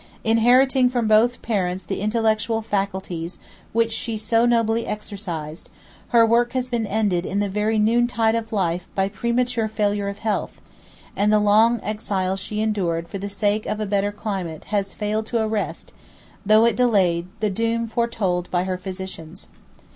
Inheriting from both parents the intellectual faculties which she so nobly exercised, her work has been ended in the very noontide of life by premature failure of health; and the long exile she endured for the sake of a better climate has failed to arrest, though it delayed, the doom foretold by her physicians.